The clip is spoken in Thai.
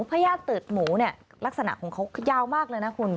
พญาติตืดหมูเนี่ยลักษณะของเขายาวมากเลยนะคุณ